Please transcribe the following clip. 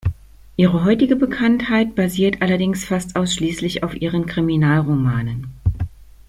Ihre heutige Bekanntheit basiert allerdings fast ausschließlich auf ihren Kriminalromanen.